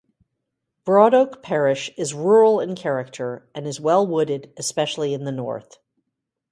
Broadoak parish is rural in character and is well wooded, especially in the north.